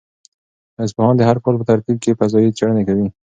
ساینس پوهان د هر کال په ترتیب فضايي څېړنې کوي.